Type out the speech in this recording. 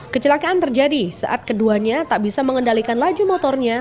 kecelakaan terjadi saat keduanya tak bisa mengendalikan laju motornya